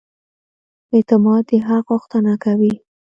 اعتماد د حق غوښتنه کوي.